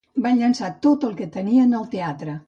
Van llançar tot el que tenien al teatre.